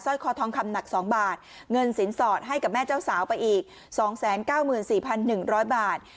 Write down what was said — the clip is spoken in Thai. คอทองคำหนัก๒บาทเงินสินสอดให้กับแม่เจ้าสาวไปอีก๒๙๔๑๐๐บาท